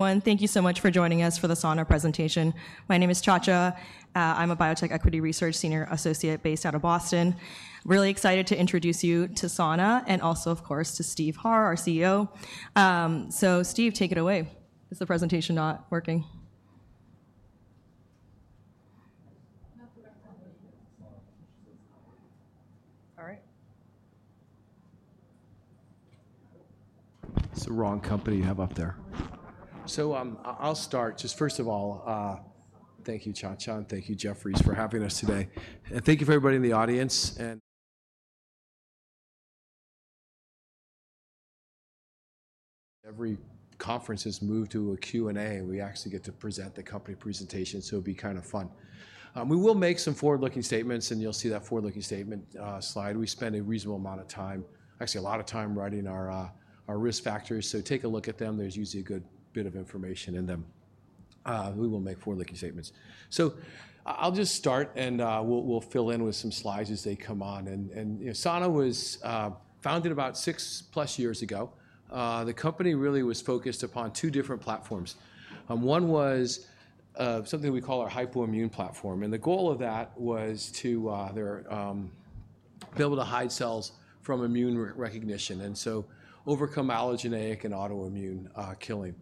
Thank you so much for joining us for the Sana presentation. My name is Cha Cha. I'm a Biotech Equity Research Senior Associate based out of Boston. Really excited to introduce you to Sana and also, of course, to Steve Harr, our CEO. Steve, take it away. Is the presentation not working? All right. It's the wrong company you have up there. I'll start. First of all, thank you, Cha Cha, and thank you, Jefferies, for having us today. Thank you for everybody in the audience. Every conference has moved to a Q&A. We actually get to present the company presentation, so it'll be kind of fun. We will make some forward-looking statements, and you'll see that forward-looking statement slide. We spend a reasonable amount of time, actually a lot of time, writing our risk factors. Take a look at them. There's usually a good bit of information in them. We will make forward-looking statements. I'll just start, and we'll fill in with some slides as they come on. Sana was founded about six-plus years ago. The company really was focused upon two different platforms. One was something we call our hypoimmune platform. The goal of that was to be able to hide cells from immune recognition and overcome allogeneic and autoimmune killing.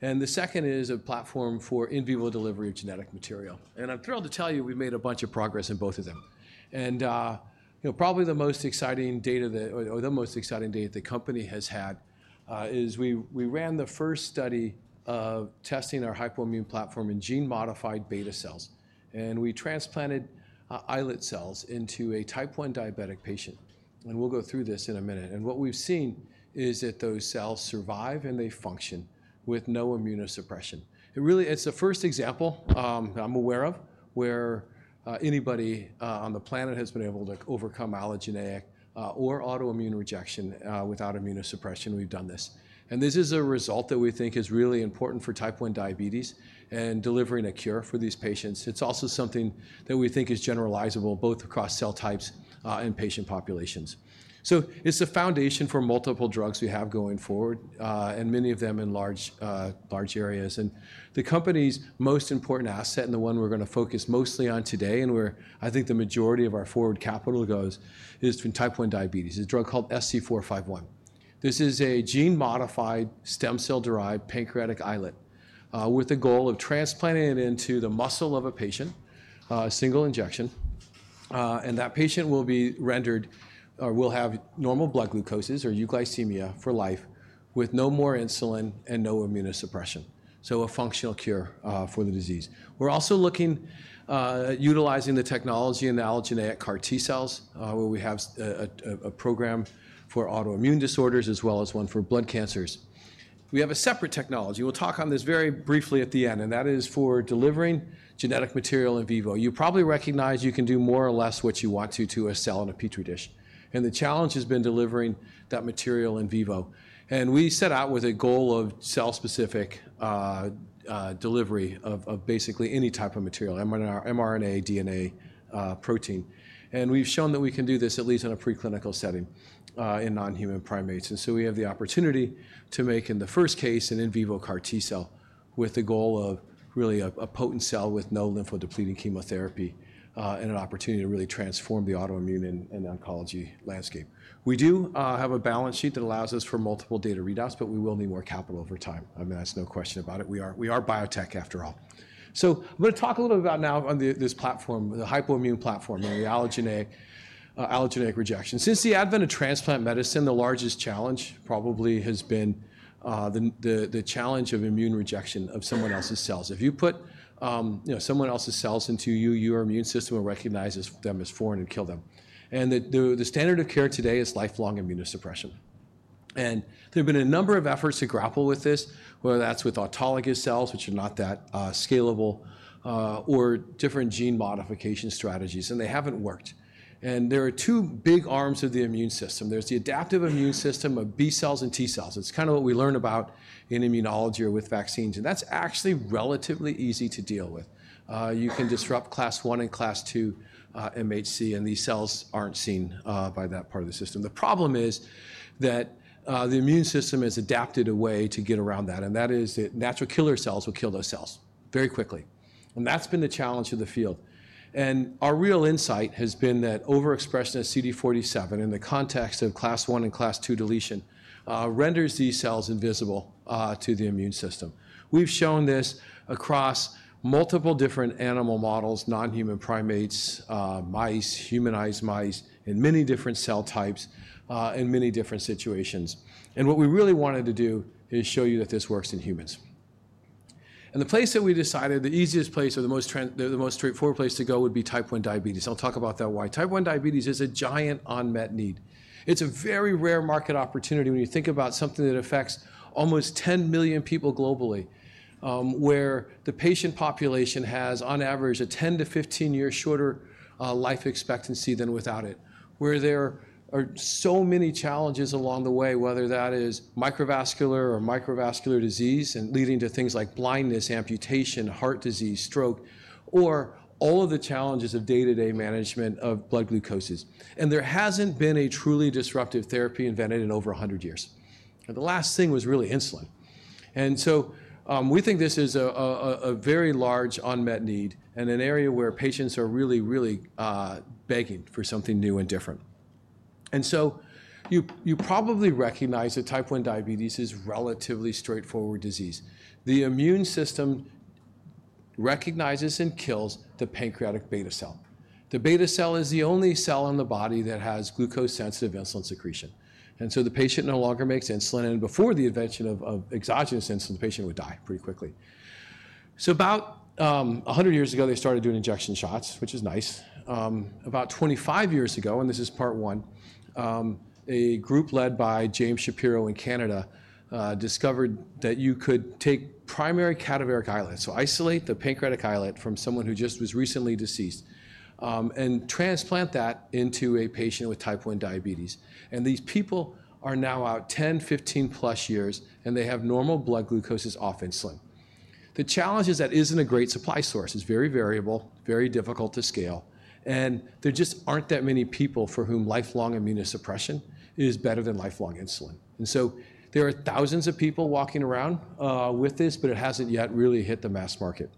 The second is a platform for in vivo delivery of genetic material. I'm thrilled to tell you we've made a bunch of progress in both of them. Probably the most exciting data, or the most exciting data the company has had, is we ran the first study of testing our hypoimmune platform in gene-modified beta cells. We transplanted islet cells into a type 1 diabetic patient. We'll go through this in a minute. What we've seen is that those cells survive, and they function with no immunosuppression. It's the first example I'm aware of where anybody on the planet has been able to overcome allogeneic or autoimmune rejection without immunosuppression. We've done this. This is a result that we think is really important for type 1 diabetes and delivering a cure for these patients. It is also something that we think is generalizable both across cell types and patient populations. It is the foundation for multiple drugs we have going forward, and many of them in large areas. The company's most important asset, and the one we are going to focus mostly on today and where I think the majority of our forward capital goes, is for type 1 diabetes. It is a drug called SC451. This is a gene-modified stem cell-derived pancreatic islet with the goal of transplanting it into the muscle of a patient, single injection. That patient will be rendered or will have normal blood glucoses or euglycemia for life with no more insulin and no immunosuppression. A functional cure for the disease. We're also looking at utilizing the technology in allogeneic CAR T cells, where we have a program for autoimmune disorders as well as one for blood cancers. We have a separate technology. We'll talk on this very briefly at the end. That is for delivering genetic material in vivo. You probably recognize you can do more or less what you want to to a cell in a Petri dish. The challenge has been delivering that material in vivo. We set out with a goal of cell-specific delivery of basically any type of material, mRNA, DNA, protein. We've shown that we can do this at least in a preclinical setting in non-human primates. We have the opportunity to make, in the first case, an in vivo CAR T cell with the goal of really a potent cell with no lymphodepleting chemotherapy and an opportunity to really transform the autoimmune and oncology landscape. We do have a balance sheet that allows us for multiple data readouts, but we will need more capital over time. I mean, that's no question about it. We are biotech, after all. I'm going to talk a little bit about now on this platform, the hypoimmune platform, the allogeneic rejection. Since the advent of transplant medicine, the largest challenge probably has been the challenge of immune rejection of someone else's cells. If you put someone else's cells into you, your immune system will recognize them as foreign and kill them. The standard of care today is lifelong immunosuppression. There have been a number of efforts to grapple with this, whether that's with autologous cells, which are not that scalable, or different gene modification strategies. They haven't worked. There are two big arms of the immune system. There's the adaptive immune system of B cells and T cells. It's kind of what we learn about in immunology or with vaccines. That's actually relatively easy to deal with. You can disrupt class 1 and class 2 MHC, and these cells aren't seen by that part of the system. The problem is that the immune system has adapted a way to get around that. That is that natural killer cells will kill those cells very quickly. That's been the challenge of the field. Our real insight has been that overexpression of CD47 in the context of class 1 and class 2 deletion renders these cells invisible to the immune system. We've shown this across multiple different animal models, non-human primates, mice, humanized mice, in many different cell types, in many different situations. What we really wanted to do is show you that this works in humans. The place that we decided, the easiest place or the most straightforward place to go would be type 1 diabetes. I'll talk about that, why. Type 1 diabetes is a giant unmet need. It's a very rare market opportunity when you think about something that affects almost 10 million people globally, where the patient population has, on average, a 10-15 year shorter life expectancy than without it, where there are so many challenges along the way, whether that is microvascular or macrovascular disease and leading to things like blindness, amputation, heart disease, stroke, or all of the challenges of day-to-day management of blood glucoses. There hasn't been a truly disruptive therapy invented in over 100 years. The last thing was really insulin. We think this is a very large unmet need and an area where patients are really, really begging for something new and different. You probably recognize that type 1 diabetes is a relatively straightforward disease. The immune system recognizes and kills the pancreatic beta cell. The beta cell is the only cell in the body that has glucose-sensitive insulin secretion. The patient no longer makes insulin. Before the invention of exogenous insulin, the patient would die pretty quickly. About 100 years ago, they started doing injection shots, which is nice. About 25 years ago, and this is part one, a group led by James Shapiro in Canada discovered that you could take primary cadaveric islets, so isolate the pancreatic islet from someone who just was recently deceased, and transplant that into a patient with type 1 diabetes. These people are now out 10, 15-plus years, and they have normal blood glucoses, off insulin. The challenge is that is not a great supply source. It is very variable, very difficult to scale. There just are not that many people for whom lifelong immunosuppression is better than lifelong insulin. There are thousands of people walking around with this, but it has not yet really hit the mass market.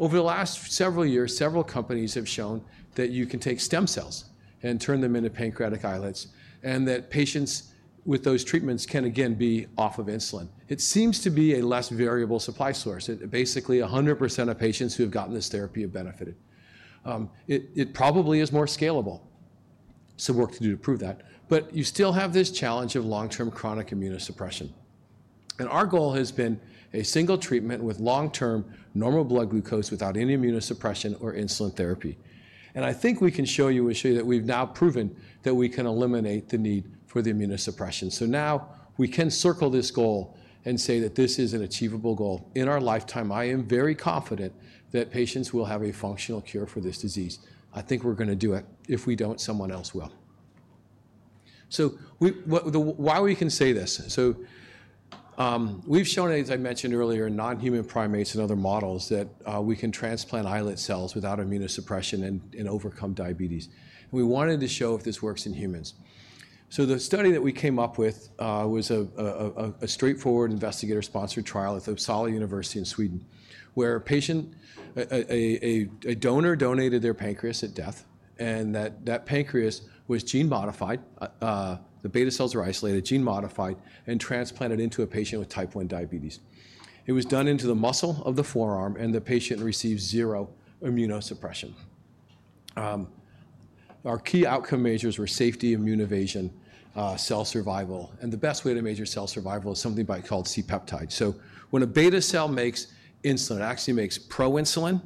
Over the last several years, several companies have shown that you can take stem cells and turn them into pancreatic islets and that patients with those treatments can, again, be off of insulin. It seems to be a less variable supply source. Basically, 100% of patients who have gotten this therapy have benefited. It probably is more scalable. Some work to do to prove that. You still have this challenge of long-term chronic immunosuppression. Our goal has been a single treatment with long-term normal blood glucose without any immunosuppression or insulin therapy. I think we can show you and show you that we have now proven that we can eliminate the need for the immunosuppression. Now we can circle this goal and say that this is an achievable goal. In our lifetime, I am very confident that patients will have a functional cure for this disease. I think we're going to do it. If we don't, someone else will. Why we can say this. We've shown, as I mentioned earlier, in non-human primates and other models that we can transplant islet cells without immunosuppression and overcome diabetes. We wanted to show if this works in humans. The study that we came up with was a straightforward investigator-sponsored trial at the Sahlgrenska University in Sweden where a donor donated their pancreas at death. That pancreas was gene-modified. The beta cells were isolated, gene-modified, and transplanted into a patient with type 1 diabetes. It was done into the muscle of the forearm, and the patient received zero immunosuppression. Our key outcome measures were safety, immune evasion, cell survival. The best way to measure cell survival is something called C-peptide. When a beta cell makes insulin, it actually makes proinsulin.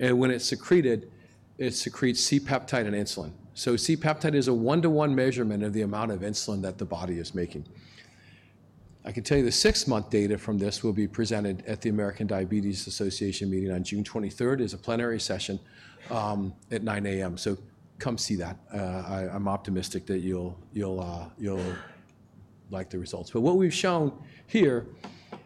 When it's secreted, it secretes C-peptide and insulin. C-peptide is a one-to-one measurement of the amount of insulin that the body is making. I can tell you the six-month data from this will be presented at the American Diabetes Association meeting on June 23. It's a plenary session at 9:00 A.M. Come see that. I'm optimistic that you'll like the results. What we've shown here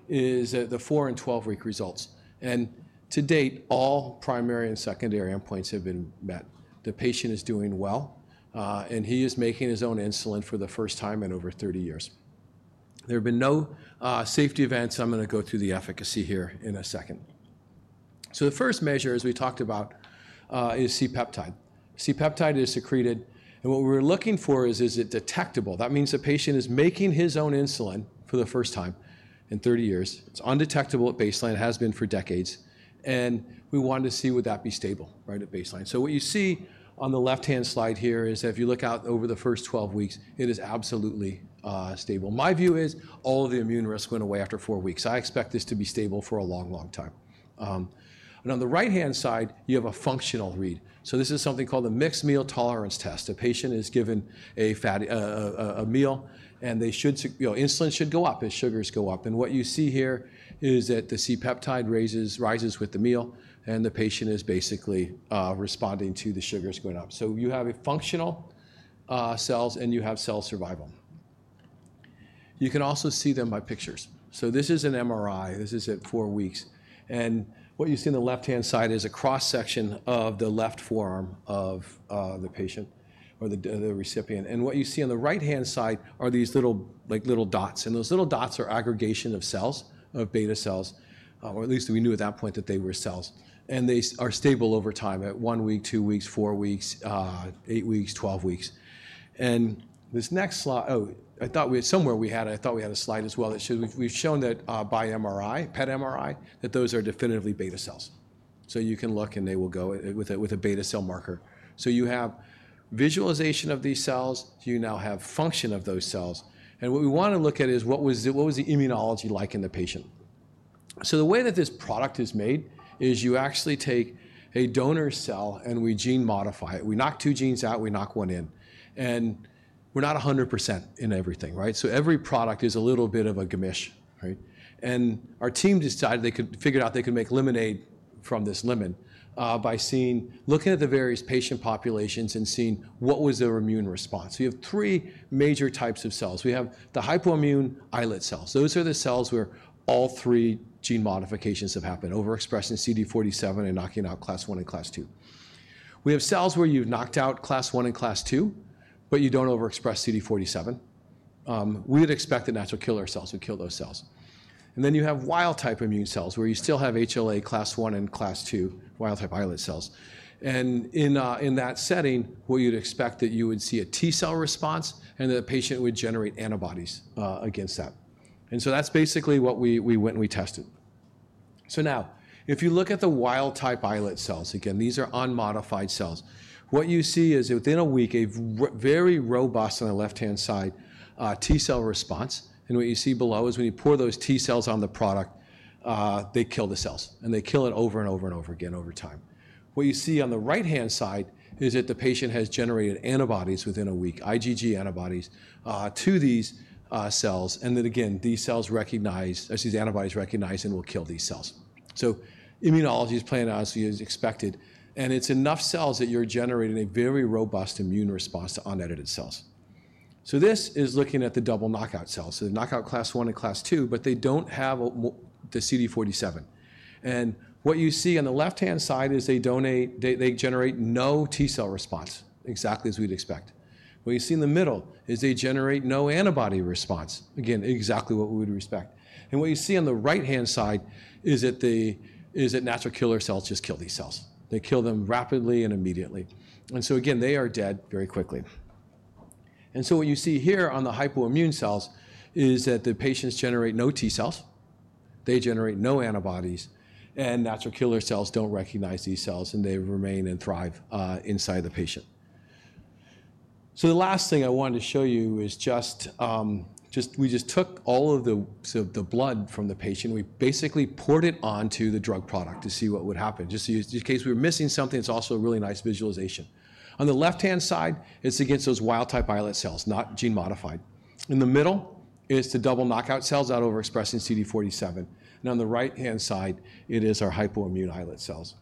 is the 4 and 12-week results. To date, all primary and secondary endpoints have been met. The patient is doing well. He is making his own insulin for the first time in over 30 years. There have been no safety events. I'm going to go through the efficacy here in a second. The first measure, as we talked about, is C-peptide. C-peptide is secreted. What we're looking for is is it detectable. That means the patient is making his own insulin for the first time in 30 years. It's undetectable at baseline. It has been for decades. We wanted to see would that be stable at baseline. What you see on the left-hand slide here is that if you look out over the first 12 weeks, it is absolutely stable. My view is all of the immune risk went away after four weeks. I expect this to be stable for a long, long time. On the right-hand side, you have a functional read. This is something called a mixed meal tolerance test. A patient is given a meal, and insulin should go up as sugars go up. What you see here is that the C-peptide rises with the meal, and the patient is basically responding to the sugars going up. You have functional cells, and you have cell survival. You can also see them by pictures. This is an MRI. This is at four weeks. What you see on the left-hand side is a cross-section of the left forearm of the patient or the recipient. What you see on the right-hand side are these little dots. Those little dots are aggregation of cells, of beta cells, or at least we knew at that point that they were cells. They are stable over time at one week, two weeks, four weeks, eight weeks, 12 weeks. This next slide, oh, I thought we had somewhere we had it. I thought we had a slide as well that showed we've shown that by MRI, PET MRI, that those are definitively beta cells. You can look, and they will go with a beta cell marker. You have visualization of these cells. You now have function of those cells. What we want to look at is what was the immunology like in the patient. The way that this product is made is you actually take a donor cell, and we gene-modify it. We knock two genes out. We knock one in. We're not 100% in everything. Every product is a little bit of a gimmich. Our team decided they could figure out they could make lemonade from this lemon by looking at the various patient populations and seeing what was their immune response. You have three major types of cells. We have the hypoimmune islet cells. Those are the cells where all three gene modifications have happened, overexpressing CD47 and knocking out class 1 and class 2. We have cells where you've knocked out class 1 and class 2, but you don't overexpress CD47. We would expect the natural killer cells would kill those cells. Then you have wild-type immune cells where you still have HLA class 1 and class 2 wild-type islet cells. In that setting, what you'd expect is that you would see a T-cell response, and the patient would generate antibodies against that. That's basically what we went and we tested. Now, if you look at the wild-type islet cells, again, these are unmodified cells. What you see is within a week, a very robust, on the left-hand side, T-cell response. What you see below is when you pour those T-cells on the product, they kill the cells. They kill it over and over and over again over time. What you see on the right-hand side is that the patient has generated antibodies within a week, IgG antibodies to these cells. These antibodies recognize and will kill these cells. Immunology is playing out as we expected. It is enough cells that you're generating a very robust immune response to unedited cells. This is looking at the double knockout cells. They knock out class 1 and class 2, but they do not have the CD47. What you see on the left-hand side is they generate no T-cell response, exactly as we'd expect. What you see in the middle is they generate no antibody response, again, exactly what we would expect. What you see on the right-hand side is that the natural killer cells just kill these cells. They kill them rapidly and immediately. They are dead very quickly. What you see here on the hypoimmune cells is that the patients generate no T-cells. They generate no antibodies. Natural killer cells do not recognize these cells, and they remain and thrive inside the patient. The last thing I wanted to show you is we just took all of the blood from the patient. We basically poured it onto the drug product to see what would happen, just in case we were missing something. It's also a really nice visualization. On the left-hand side, it's against those wild-type islet cells, not gene-modified. In the middle, it's the double knockout cells that are overexpressing CD47. On the right-hand side, it is our hypoimmune islet cells.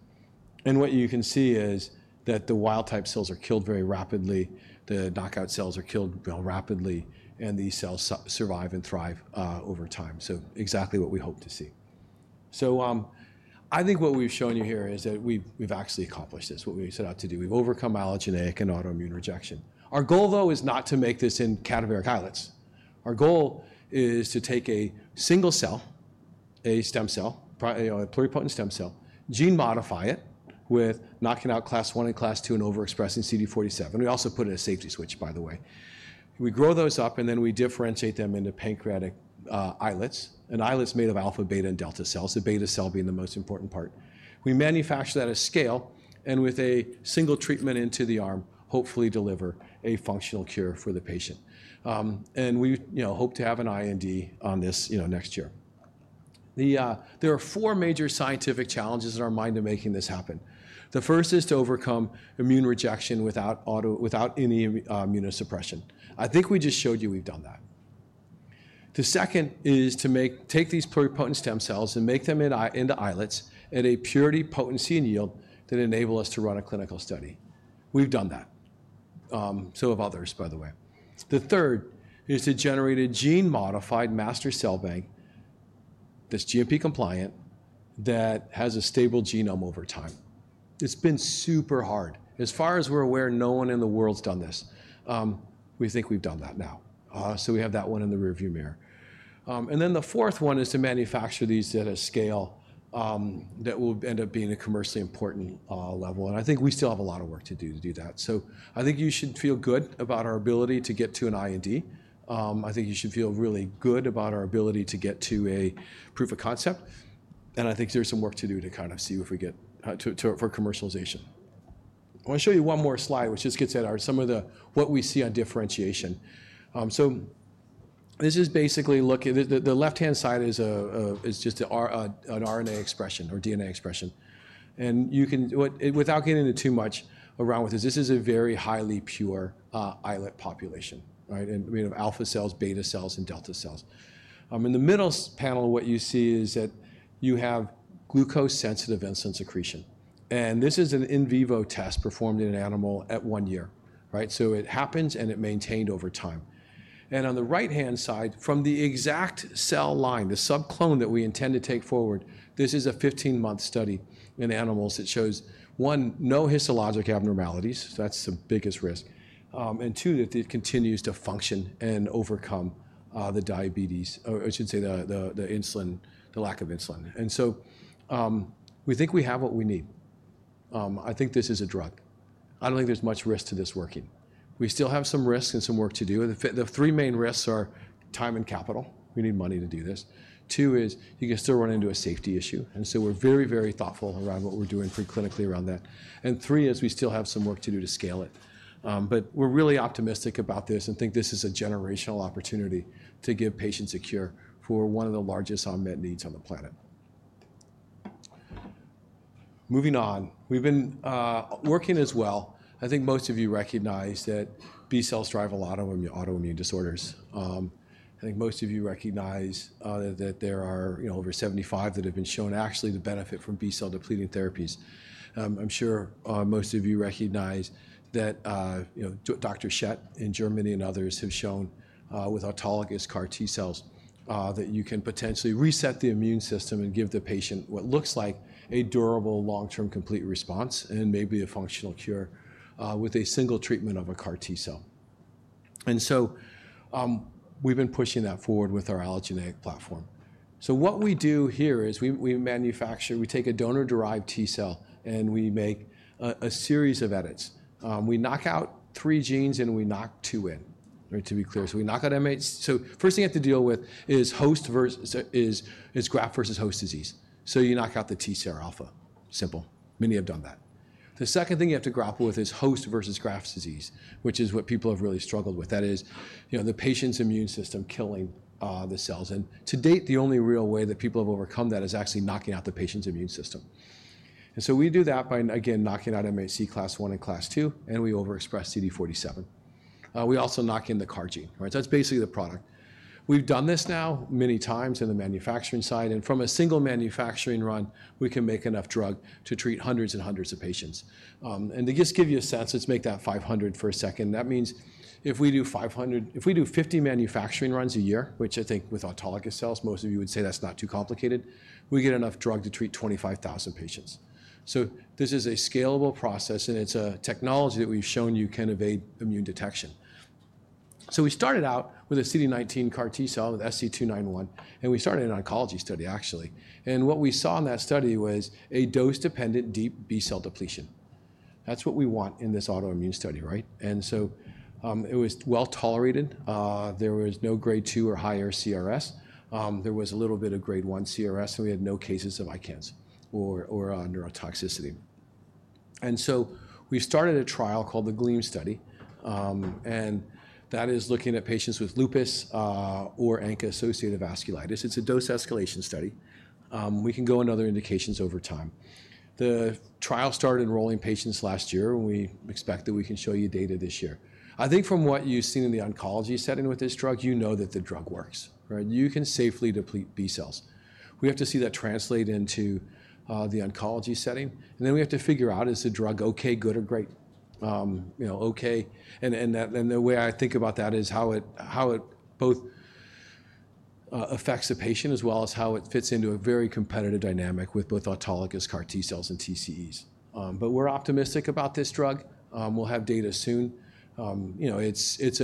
What you can see is that the wild-type cells are killed very rapidly. The knockout cells are killed rapidly. These cells survive and thrive over time. Exactly what we hope to see. I think what we've shown you here is that we've actually accomplished this, what we set out to do. We've overcome allogeneic and autoimmune rejection. Our goal, though, is not to make this in cadaveric islets. Our goal is to take a single cell, a stem cell, a pluripotent stem cell, gene-modify it with knocking out class 1 and class 2 and overexpressing CD47. We also put in a safety switch, by the way. We grow those up, and then we differentiate them into pancreatic islets. Islets made of alpha, beta, and delta cells, the beta cell being the most important part. We manufacture that at scale and, with a single treatment into the arm, hopefully deliver a functional cure for the patient. We hope to have an I&D on this next year. There are four major scientific challenges in our mind to making this happen. The first is to overcome immune rejection without any immunosuppression. I think we just showed you we've done that. The second is to take these pluripotent stem cells and make them into islets at a purity, potency, and yield that enable us to run a clinical study. We've done that. So have others, by the way. The third is to generate a gene-modified master cell bank that's GMP-compliant that has a stable genome over time. It's been super hard. As far as we're aware, no one in the world's done this. We think we've done that now. We have that one in the rearview mirror. The fourth one is to manufacture these at a scale that will end up being a commercially important level. I think we still have a lot of work to do to do that. I think you should feel good about our ability to get to an I&D. I think you should feel really good about our ability to get to a proof of concept. I think there's some work to do to kind of see if we get for commercialization. I want to show you one more slide, which just gets at some of what we see on differentiation. This is basically looking at the left-hand side, which is just an RNA expression or DNA expression. Without getting into too much around with this, this is a very highly pure islet population, right? We have alpha cells, beta cells, and delta cells. In the middle panel, what you see is that you have glucose-sensitive insulin secretion. This is an in vivo test performed in an animal at one year. It happens, and it maintained over time. On the right-hand side, from the exact cell line, the sub-clone that we intend to take forward, this is a 15-month study in animals that shows, one, no histologic abnormalities. That is the biggest risk. Two, that it continues to function and overcome the diabetes, or I should say the insulin, the lack of insulin. We think we have what we need. I think this is a drug. I do not think there is much risk to this working. We still have some risks and some work to do. The three main risks are time and capital. We need money to do this. Two is you can still run into a safety issue. We are very, very thoughtful around what we are doing preclinically around that. Three is we still have some work to do to scale it. We are really optimistic about this and think this is a generational opportunity to give patients a cure for one of the largest unmet needs on the planet. Moving on, we have been working as well. I think most of you recognize that B-cells drive a lot of autoimmune disorders. I think most of you recognize that there are over 75 that have been shown actually to benefit from B-cell depleting therapies. I'm sure most of you recognize that Dr. Schrepfer in Germany and others have shown with autologous CAR T-cells that you can potentially reset the immune system and give the patient what looks like a durable, long-term complete response and maybe a functional cure with a single treatment of a CAR T-cell. We've been pushing that forward with our allogeneic platform. What we do here is we manufacture. We take a donor-derived T-cell, and we make a series of edits. We knock out three genes, and we knock two in, to be clear. We knock out MHC. The first thing you have to deal with is graft versus host disease. You knock out the T-cell alpha. Simple. Many have done that. The second thing you have to grapple with is host versus graft disease, which is what people have really struggled with. That is the patient's immune system killing the cells. To date, the only real way that people have overcome that is actually knocking out the patient's immune system. We do that by, again, knocking out MHC class 1 and class 2, and we overexpress CD47. We also knock in the CAR gene. That's basically the product. We've done this now many times in the manufacturing side. From a single manufacturing run, we can make enough drug to treat hundreds and hundreds of patients. To just give you a sense, let's make that 500 for a second. That means if we do 500, if we do 50 manufacturing runs a year, which I think with autologous cells, most of you would say that's not too complicated, we get enough drug to treat 25,000 patients. This is a scalable process, and it's a technology that we've shown you can evade immune detection. We started out with a CD19 CAR T-cell with SC291, and we started an oncology study, actually. What we saw in that study was a dose-dependent deep B-cell depletion. That's what we want in this autoimmune study, right? It was well tolerated. There was no grade 2 or higher CRS. There was a little bit of grade 1 CRS, and we had no cases of ICANS or neurotoxicity. We started a trial called the Gleam study. That is looking at patients with lupus or ANCA-associated vasculitis. It's a dose escalation study. We can go into other indications over time. The trial started enrolling patients last year, and we expect that we can show you data this year. I think from what you've seen in the oncology setting with this drug, you know that the drug works, right? You can safely deplete B-cells. We have to see that translate into the oncology setting. We have to figure out, is the drug OK, good, or great? OK. The way I think about that is how it both affects the patient as well as how it fits into a very competitive dynamic with both autologous CAR T-cells and TCEs. We're optimistic about this drug. We'll have data soon. It's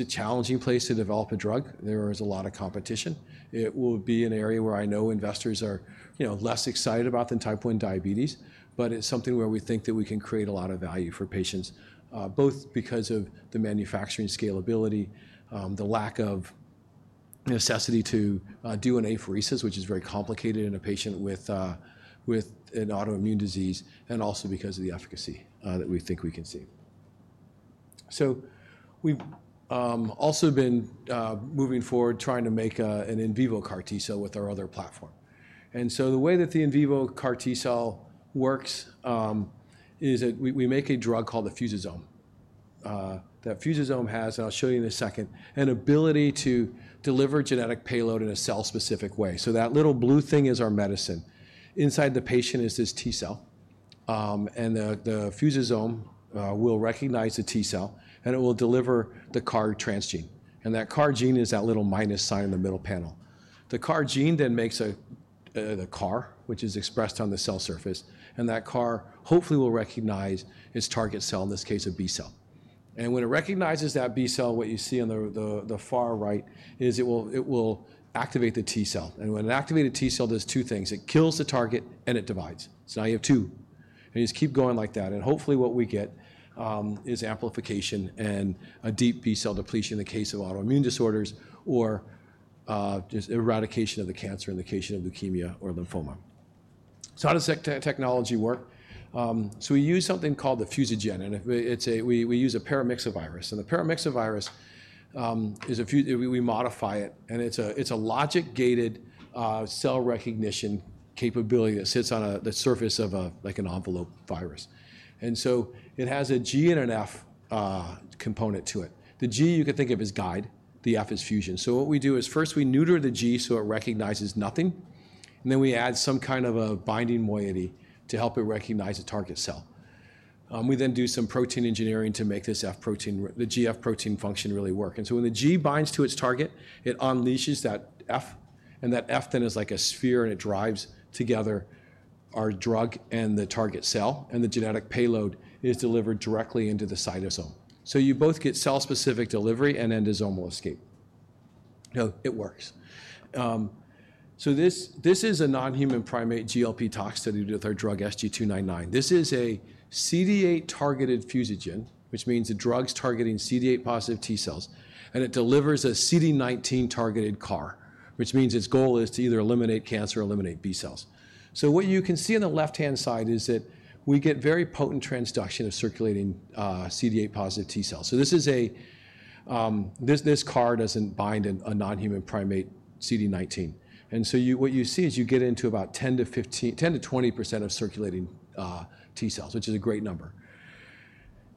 a challenging place to develop a drug. There is a lot of competition. It will be an area where I know investors are less excited about than type 1 diabetes. But it's something where we think that we can create a lot of value for patients, both because of the manufacturing scalability, the lack of necessity to do an apheresis, which is very complicated in a patient with an autoimmune disease, and also because of the efficacy that we think we can see. We've also been moving forward trying to make an in vivo CAR T-cell with our other platform. The way that the in vivo CAR T-cell works is that we make a drug called the Fusizome. That Fusizome has, and I'll show you in a second, an ability to deliver genetic payload in a cell-specific way. That little blue thing is our medicine. Inside the patient is this T-cell. The Fusizome will recognize the T-cell, and it will deliver the CAR transgene. That CAR gene is that little minus sign in the middle panel. The CAR gene then makes a CAR, which is expressed on the cell surface. That CAR hopefully will recognize its target cell, in this case, a B-cell. When it recognizes that B-cell, what you see on the far right is it will activate the T-cell. When it activates the T-cell, it does two things. It kills the target, and it divides. Now you have two. You just keep going like that. Hopefully, what we get is amplification and a deep B-cell depletion in the case of autoimmune disorders or just eradication of the cancer in the case of leukemia or lymphoma. How does that technology work? We use something called the Fusigen. We use a paramyxovirus. The paramyxovirus, we modify it. It is a logic-gated cell recognition capability that sits on the surface of like an envelope virus. It has a G and an F component to it. The G you can think of as guide. The F is fusion. What we do is first we neuter the G so it recognizes nothing. Then we add some kind of a binding moiety to help it recognize a target cell. We then do some protein engineering to make this F protein, the GF protein function really work. When the G binds to its target, it unleashes that F. That F then is like a sphere, and it drives together our drug and the target cell. The genetic payload is delivered directly into the cytosome. You both get cell-specific delivery, and endosomal escape. It works. This is a non-human primate GLP tox study with our drug SG299. This is a CD8-targeted Fusigen, which means the drug is targeting CD8-positive T-cells. It delivers a CD19-targeted CAR, which means its goal is to either eliminate cancer or eliminate B-cells. What you can see on the left-hand side is that we get very potent transduction of circulating CD8-positive T-cells. This CAR does not bind a non-human primate CD19. What you see is you get into about 10-20% of circulating T-cells, which is a great number.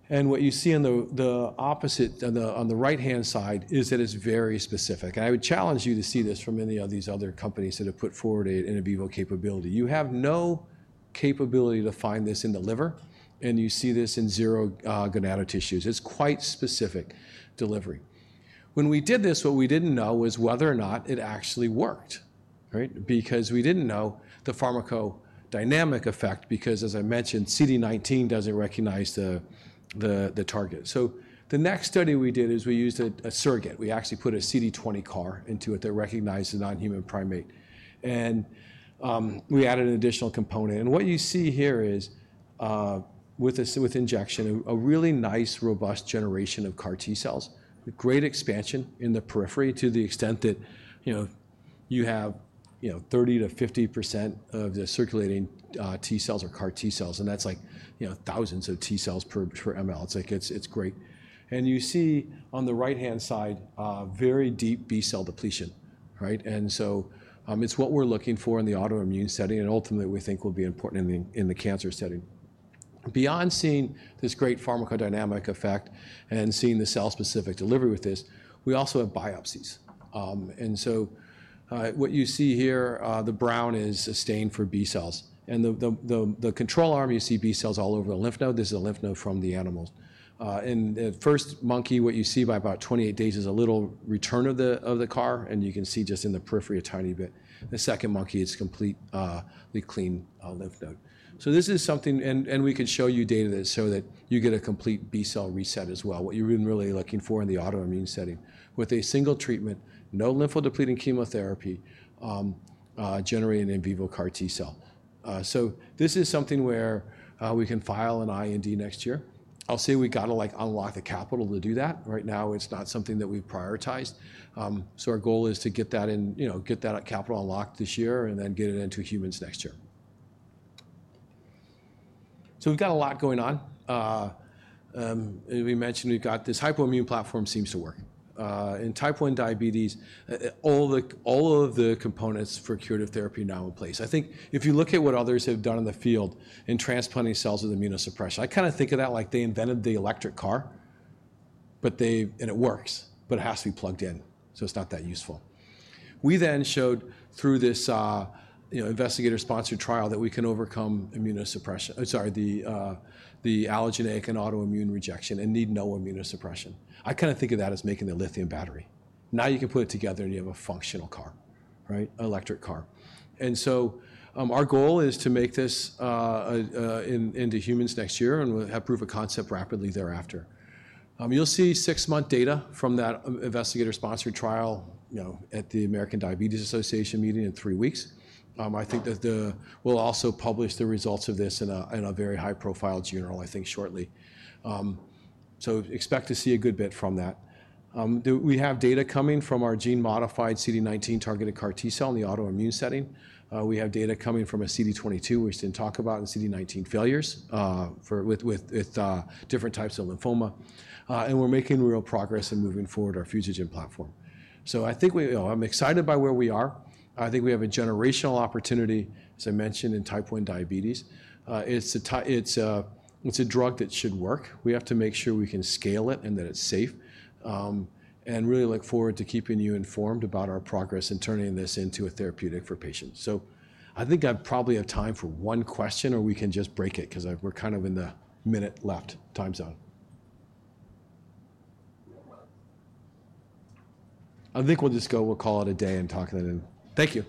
What you see on the right-hand side is that it is very specific. I would challenge you to see this from any of these other companies that have put forward an in vivo capability. You have no capability to find this in the liver. You see this in zero gonadal tissues. It is quite specific delivery. When we did this, what we did not know was whether or not it actually worked, right? Because we did not know the pharmacodynamic effect because, as I mentioned, CD19 does not recognize the target. The next study we did is we used a surrogate. We actually put a CD20 CAR into it that recognized a non-human primate. We added an additional component. What you see here is, with injection, a really nice, robust generation of CAR T-cells, great expansion in the periphery to the extent that you have 30%-50% of the circulating T-cells are CAR T-cells. That is like thousands of T-cells per mL. It is great. You see on the right-hand side very deep B-cell depletion, right? It is what we're looking for in the autoimmune setting. Ultimately, we think it will be important in the cancer setting. Beyond seeing this great pharmacodynamic effect and seeing the cell-specific delivery with this, we also have biopsies. What you see here, the brown is a stain for B-cells. In the control arm, you see B-cells all over the lymph node. This is a lymph node from the animal. In the first monkey, what you see by about 28 days is a little return of the CAR, and you can see just in the periphery a tiny bit. The second monkey is a completely clean lymph node. This is something, and we can show you data that show that you get a complete B-cell reset as well, what you've been really looking for in the autoimmune setting with a single treatment, no lymphodepleting chemotherapy, generating in vivo CAR T-cell. This is something where we can file an IND next year. I'll say we got to unlock the capital to do that. Right now, it's not something that we've prioritized. Our goal is to get that capital unlocked this year and then get it into humans next year. We've got a lot going on. We mentioned we've got this hypoimmune platform seems to work. In type 1 diabetes, all of the components for curative therapy now in place. I think if you look at what others have done in the field in transplanting cells with immunosuppression, I kind of think of that like they invented the electric car, and it works, but it has to be plugged in. So it's not that useful. We then showed through this investigator-sponsored trial that we can overcome immunosuppression, sorry, the allogeneic and autoimmune rejection and need no immunosuppression. I kind of think of that as making a lithium battery. Now you can put it together, and you have a functional car, right? An electric car. And our goal is to make this into humans next year and have proof of concept rapidly thereafter. You'll see six-month data from that investigator-sponsored trial at the American Diabetes Association meeting in three weeks. I think that we'll also publish the results of this in a very high-profile journal, I think, shortly. Expect to see a good bit from that. We have data coming from our gene-modified CD19 targeted CAR T-cell in the autoimmune setting. We have data coming from a CD22, which I did not talk about, in CD19 failures with different types of lymphoma. We are making real progress in moving forward our Fusigen platform. I think I am excited by where we are. I think we have a generational opportunity, as I mentioned, in type 1 diabetes. It is a drug that should work. We have to make sure we can scale it and that it is safe. I really look forward to keeping you informed about our progress in turning this into a therapeutic for patients. I think I probably have time for one question, or we can just break it because we are kind of in the minute-left time zone. I think we will just go. We'll call it a day and talk to them. Thank you.